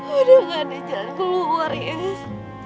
udah gak ada jalan keluar yas